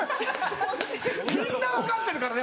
みんな分かってるからね